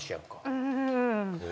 うん。